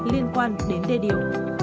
liên quan đến đê điều